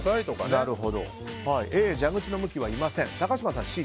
Ａ、蛇口の向きはいません。